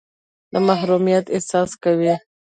د محرومیت احساس کوئ.